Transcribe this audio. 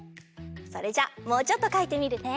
それじゃあもうちょっとかいてみるね。